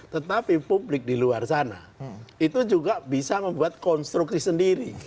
tetapi publik di luar sana itu juga bisa membuat konstruksi sendiri